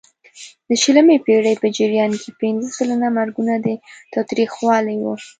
د شلمې پېړۍ په جریان کې پینځه سلنه مرګونه د تاوتریخوالي وو.